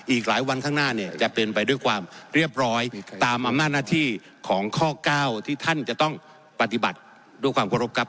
อีกหลายวันข้างหน้าเนี่ยจะเป็นไปด้วยความเรียบร้อยตามอำนาจหน้าที่ของข้อ๙ที่ท่านจะต้องปฏิบัติด้วยความเคารพครับ